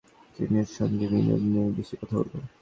আশা করছি, এরপর থেকে আমরা চীনের সঙ্গে বিনিয়োগ নিয়েই বেশি কথা বলব।